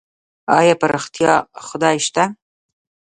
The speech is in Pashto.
ايا په رښتيا خدای سته؟